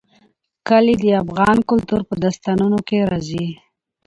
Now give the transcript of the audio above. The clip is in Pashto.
کلي د افغان کلتور په داستانونو کې راځي.